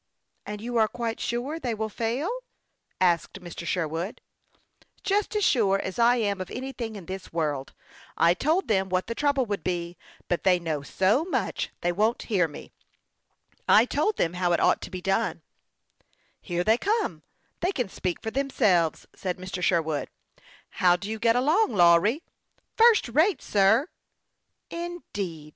" And you are quite sure they will fail ?" asked Mr. Sherwood. " Just as sure as I am of anything in this world. I told them what the trouble would be ; but they know so much they won't hear me. I told them how it ought to be done." " Here they come ; they can speak for themselves," said Mr. Sherwood, as the boys landed from the wherry. " How do you get along, Lawry ?"" First rate, sir." " Indeed !